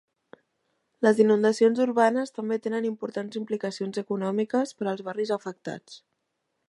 Les inundacions urbanes també tenen importants implicacions econòmiques per als barris afectats.